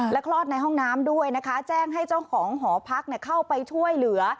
คลอดในห้องน้ำด้วยนะคะแจ้งให้เจ้าของหอพักเข้าไปช่วยเหลือ